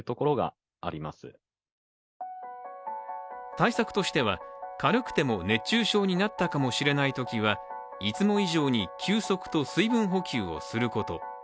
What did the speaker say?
対策としては軽くても熱中症になったかもしれないときはいつも以上に休息と水分補給をすること。